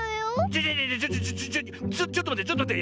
ちょちょちょっとまってちょっとまって。